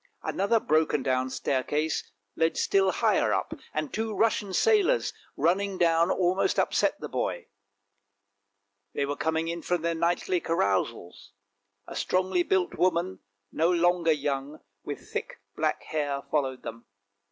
Another broken down staircase led still higher up, and two Russian sailors running down almost upset the boy. They were coming from their nightly carousals. A strongly built woman, no longer young, with thick black hair, followed them.